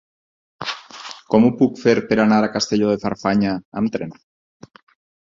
Com ho puc fer per anar a Castelló de Farfanya amb tren?